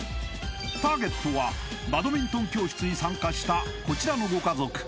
ターゲットはバドミントン教室に参加したこちらのご家族